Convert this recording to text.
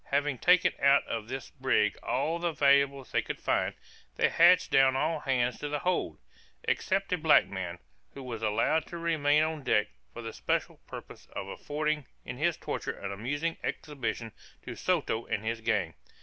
Having taken out of this brig all the valuables they could find, they hatched down all hands to the hold, except a black man, who was allowed to remain on deck for the special purpose of affording in his torture an amusing exhibition to Soto and his gang.